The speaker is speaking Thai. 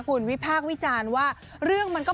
คุณวิพากษ์วิจารณ์ว่าเรื่องมันก็